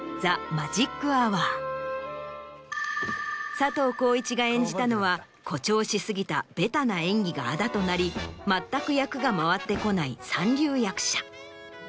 佐藤浩市が演じたのは誇張し過ぎたベタな演技があだとなり全く役が回ってこない三流役者。